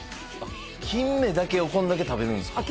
金目だけをこんだけ食べるんですか？